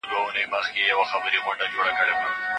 تجارت بايد د شريعت په رڼا کي وي.